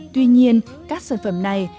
tuy nhiên các sản phẩm này